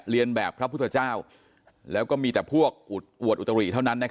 เรียนแบบพระพุทธเจ้าแล้วก็มีแต่พวกอวดอุตริเท่านั้น